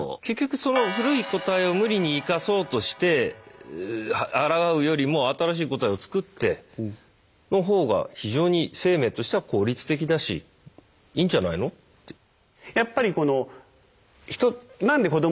結局その古い個体を無理に生かそうとしてあらがうよりも新しい個体をつくっての方が非常に生命としては効率的だしいいんじゃないのって。